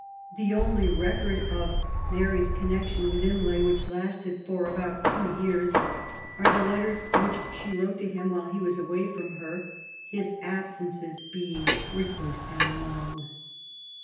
The only record of Mary's connection with Imlay, which lasted for about two years, are the letters which she wrote to him while he was away from her, his ab sences being frequent and long.